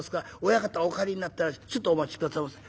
親方お帰りになってちょっとお待ち下さいませ。